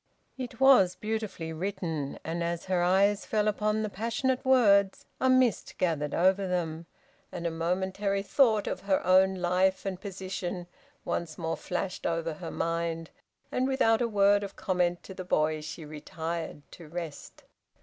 It was beautifully written, and as her eyes fell upon the passionate words, a mist gathered over them, and a momentary thought of her own life and position once more flashed over her mind, and without a word of comment to the boy, she retired to rest.